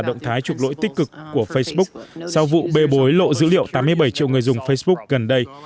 động thái trục lỗi tích cực của facebook sau vụ bê bối lộ dữ liệu tám mươi bảy triệu người dùng facebook gần đây